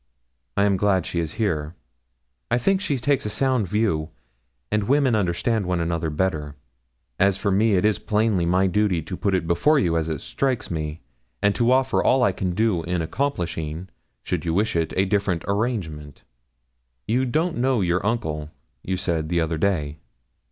'I am glad she is here. I think she takes a sound view, and women understand one another better. As for me, it is plainly my duty to put it before you as it strikes me, and to offer all I can do in accomplishing, should you wish it, a different arrangement. You don't know your uncle, you said the other day?'